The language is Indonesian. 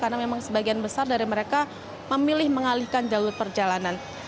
karena memang sebagian besar dari mereka memilih mengalihkan jalur perjalanan